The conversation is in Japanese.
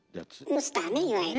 ウスターねいわゆる。